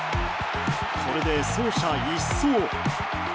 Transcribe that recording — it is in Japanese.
これで走者一掃。